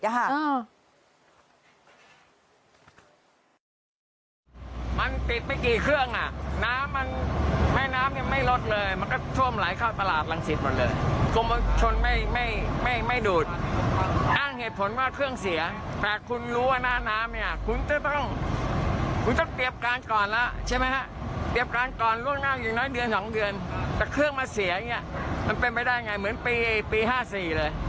แต่เครื่องมาเสียเนี่ยมันเป็นไปได้ยังไงเหมือนปี๕๔เลย